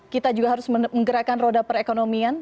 kita juga harus menggerakkan roda perekonomian